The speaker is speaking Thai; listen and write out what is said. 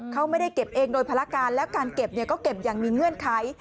เขาไม่ได้เก็บเองโดยภารการแล้วการเก็บก็เก็บอย่างมีเงื่อนไข